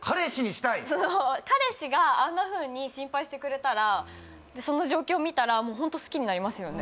そう彼氏があんなふうに心配してくれたらその状況見たらもうホント好きになりますよね